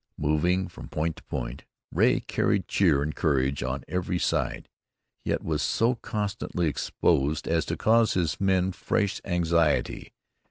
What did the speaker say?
Moving from point to point, Ray carried cheer and courage on every side, yet was so constantly exposed as to cause his men fresh anxiety.